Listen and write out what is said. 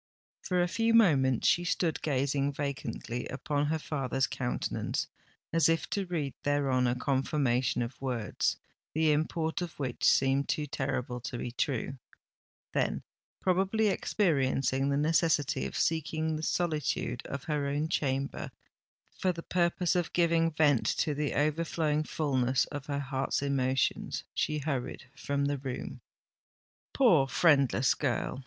For a few moments she stood gazing vacantly upon her father's countenance, as if to read thereon a confirmation of words, the import of which seemed too terrible to be true: then, probably experiencing the necessity of seeking the solitude of her own chamber for the purpose of giving vent to the overflowing fulness of her heart's emotions, she hurried from the room. Poor friendless girl!